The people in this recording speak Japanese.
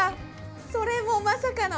それもまさかの。